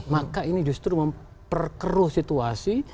maka ini justru memperkeruh situasi